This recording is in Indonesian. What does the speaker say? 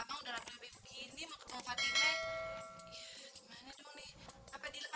kain aja jadinya ya kelingin selanjutnya bang